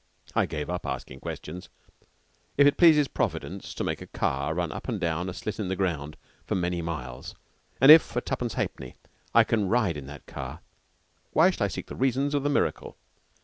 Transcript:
I gave up asking questions. If it pleases Providence to make a car run up and down a slit in the ground for many miles, and if for twopence halfpenny I can ride in that car, why shall I seek the reasons of the miracle?